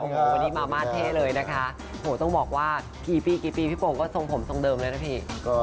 วันนี้มามาเท่เลยนะคะโหต้องบอกว่ากี่ปีกี่ปีพี่โป่งก็ทรงผมทรงเดิมเลยนะพี่